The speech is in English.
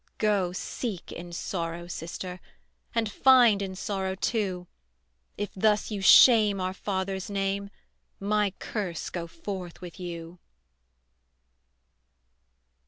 "Go seek in sorrow, sister, And find in sorrow too: If thus you shame our father's name My curse go forth with you."